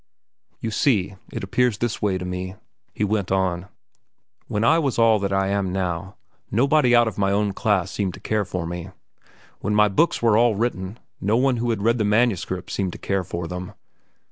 "You see, it appears this way to me," he went on. "When I was all that I am now, nobody out of my own class seemed to care for me. When my books were all written, no one who had read the manuscripts seemed to care for them.